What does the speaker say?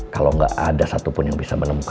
kalau gak ada satupun yang bisa menemukan